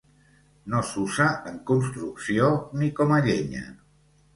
No s'usa en construcció ni com a llenya.